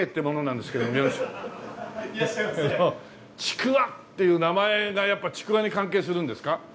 「ちくわ」っていう名前がやっぱちくわに関係するんですか？